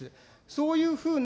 そういうふうな